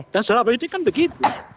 dan sebab itu kan begitu